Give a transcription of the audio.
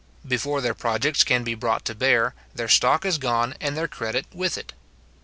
Before their projects can be brought to bear, their stock is gone, and their credit with it.